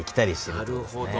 なるほど。